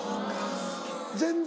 全然？